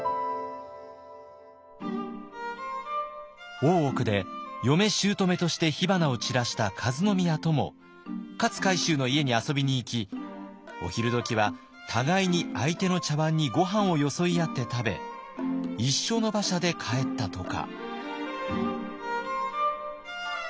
大奥で嫁姑として火花を散らした和宮とも勝海舟の家に遊びに行きお昼どきは互いに相手の茶わんにごはんをよそい合って食べ一緒の馬車で帰ったとか。